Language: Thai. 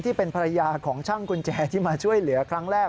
ที่เป็นภรรยาของช่างกุญแจที่มาช่วยเหลือครั้งแรก